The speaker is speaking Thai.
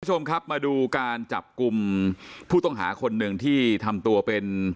คุณผู้ชมครับมาดูการจับกลุ่มผู้ต้องหาคนหนึ่งที่ทำตัวเป็น